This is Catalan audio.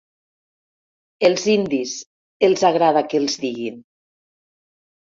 Els indis, els agrada que els diguin.